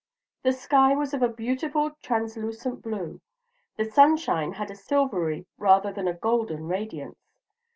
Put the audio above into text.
The sky was of a beautiful translucent blue; the sunshine had a silvery rather than a golden radiance.